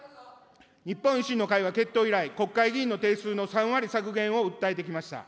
日本維新の会は結党以来、国会議員の定数の３割削減を訴えてきました。